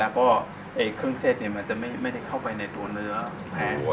แล้วก็เครื่องเช็ดมันจะไม่ได้เข้าไปในตัวเนื้อ